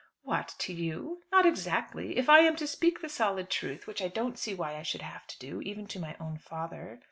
"What! To you? Not exactly if I am to speak the solid truth; which I don't see why I should have to do, even to my own father.